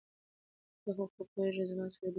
ته خو پوهېږې چې زما سره دومره زياتې روپۍ نشته.